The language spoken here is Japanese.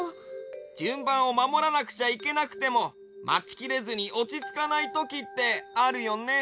じゅんばんをまもらなくちゃいけなくてもまちきれずにおちつかないときってあるよね。